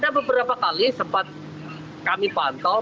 ada beberapa kali sempat kami pantau